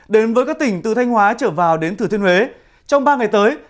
đến với các tỉnh từ thanh hóa trở vào đến thừa thiên huế trong ba ngày tới